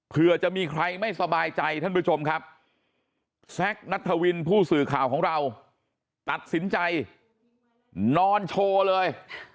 เพื่อจะมีใครไม่สบายใจท่านผู้ชมครับแซคนัทธวินผู้สื่อข่าวของเราตัดสินใจนอนโชว์เลย